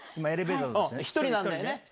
１人なんだよね。